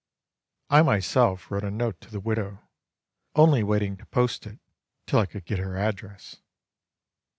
I myself wrote a note to the widow, only waiting to post it till I could get her address.